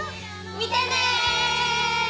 見てね！